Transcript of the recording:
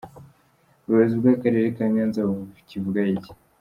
Ubuyobozi bw’Akarere ka Nyanza bukivugaho iki?.